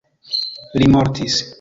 Li mortis.